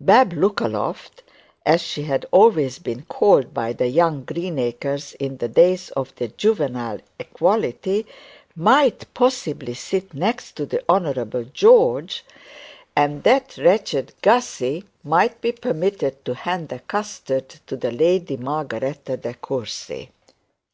Bab Lookaloft, as she had always been called by the young Greenacres in the days of their juvenile equality, might possibly sit next to the Honourable George, and that wretched Gussy might be permitted to hand a custard to the Lady Margaretta De Courcy.